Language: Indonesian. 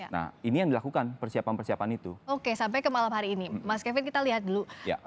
nah ini yang dilakukan persiapan persiapan itu oke sampai ke malam hari ini mas kevin kita lihat dulu